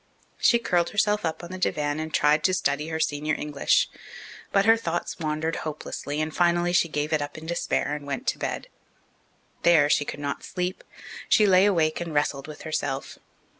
She curled herself up on the divan and tried to study her senior English. But her thoughts wandered hopelessly, and finally she gave it up in despair and went to bed. There she could not sleep; she lay awake and wrestled with herself.